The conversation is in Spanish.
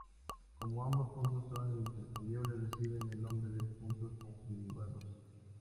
Como ambos puntos son intercambiables reciben el nombre de puntos conjugados.